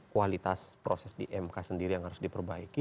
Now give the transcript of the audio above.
kualitas proses di mk sendiri yang harus diperbaiki